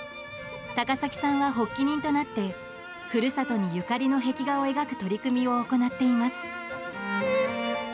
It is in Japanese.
高崎さんは発起人となって故郷にゆかりの壁画を描く取り組みを行っています。